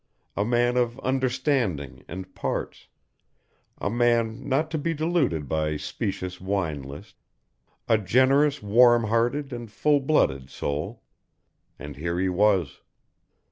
A man of understanding and parts, a man not to be deluded by specious wine lists, a generous warmhearted and full blooded soul and here he was.